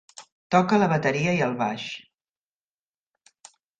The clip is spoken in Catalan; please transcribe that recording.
Toca la bateria i el baix.